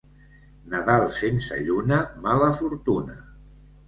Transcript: Nadal sense lluna, mala fortuna.